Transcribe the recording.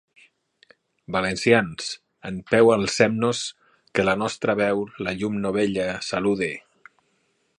Valencians: en peu alcem-nos que la nostra veu la llum novella salude.